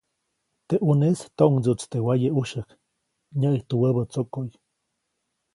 Teʼ ʼuneʼis toʼŋdsiʼuʼtsi teʼ waye ʼujsyäjk, nyäʼijtu wäbä tsokoʼy.